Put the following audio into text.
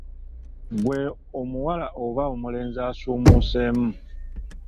Ggwe omuwala oba omulenzi asuumuseemu.